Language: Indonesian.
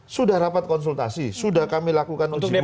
sudah rapat konsultasi sudah kami lakukan uji materi